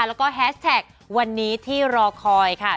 แล้วก็แฮชแท็กวันนี้ที่รอคอยค่ะ